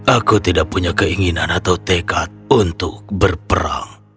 aku tidak punya keinginan atau tekad untuk berperang